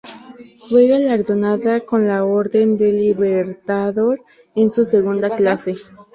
Fue galardonado con la Orden del Libertador en su segunda clase.